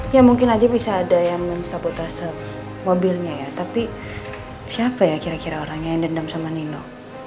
ya mungkin aja bisa ada yang mensabotase mobilnya ya tapi siapa ya kira kira orang yang dendam sama nino